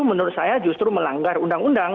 menurut saya justru melanggar undang undang